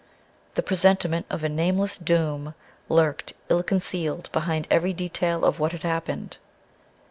The presentiment of a nameless doom lurked ill concealed behind every detail of what had happened.